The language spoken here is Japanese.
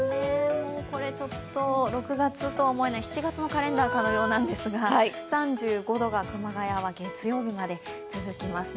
これ、ちょっと６月とは思えない、７月のカレンダーかのようですが３５度が熊谷は月曜日まで続きます。